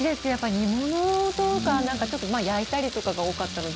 煮物とか、焼いたりというのが多かったので